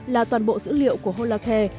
là toàn bộ dữ liệu của holacare